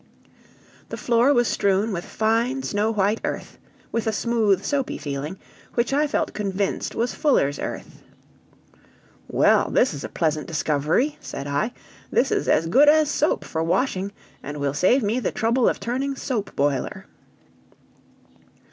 The floor was strewn with fine snow white earth, with a smooth soapy feeling, which I felt convinced was fuller's earth. "Well, this is a pleasant discovery!" said I. "This is as good as soap for washing, and will save me the trouble of turning soap boiler."